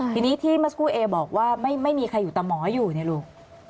ทีนี้ที่เมื่อสักครู่เอบอกว่าไม่มีใครอยู่แต่หมออยู่เนี่ยลูก